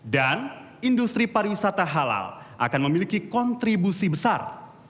dan industri pariwisata halal akan memiliki kontribusi besar